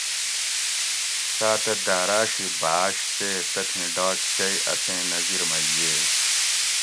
تاۤتہ داۤراۤ شی بھاش تے تتھیں ڈاکچئ اسیں نظِر مئ ییگ